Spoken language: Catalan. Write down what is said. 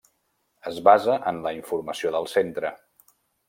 Es basa en la informació del Centre.